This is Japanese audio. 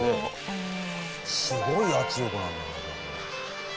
すごい圧力なんだね。